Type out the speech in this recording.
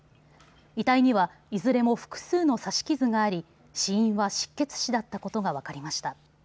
遺体には、いずれも複数の刺し傷があり死因は失血死だったことが分かりました。